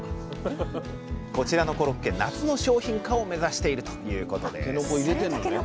こちらのコロッケ夏の商品化を目指しているということです